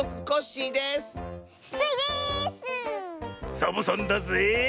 サボさんだぜえ！